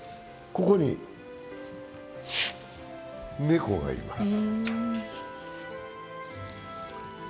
ここに猫がいます。